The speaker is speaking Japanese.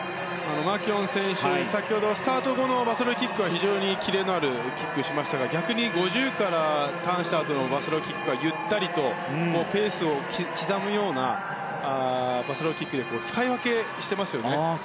マキュオン選手は先ほど、スタート後のバサロキックは非常にキレのあるキックをしましたが逆に５０からターンしたあとのバサロキックはゆったりとペースを刻むようなバサロキックで使い分けしてますね。